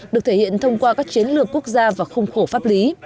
được thể hiện thông qua các chiến lược quốc gia và khung khổ pháp lý